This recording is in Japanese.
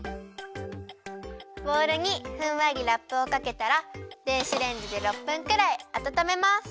ボウルにふんわりラップをかけたら電子レンジで６分くらいあたためます。